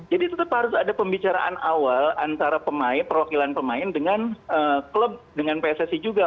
jadi tetap harus ada pembicaraan awal antara perwakilan pemain dengan klub dengan pssi juga